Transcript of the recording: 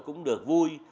cũng được vui